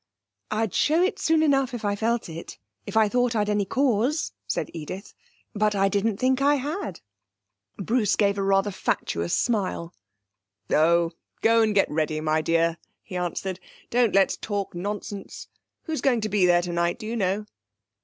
'I'd show it soon enough if I felt it if I thought I'd any cause,' said Edith; 'but I didn't think I had.' Bruce gave a rather fatuous smile. 'Oh, go and get ready, my dear,' he answered. 'Don't let's talk nonsense. Who's going to be there tonight, do you know?'